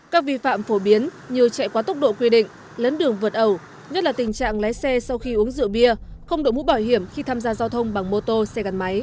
các vi phạm phổ biến như chạy quá tốc độ quy định lấn đường vượt ẩu nhất là tình trạng lái xe sau khi uống rượu bia không đổi mũ bảo hiểm khi tham gia giao thông bằng mô tô xe gắn máy